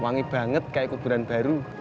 wangi banget kayak kuburan baru